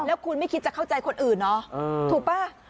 แล้วคุณไม่คิดจะเข้าใจคนอื่นเนาะถูกป่ะ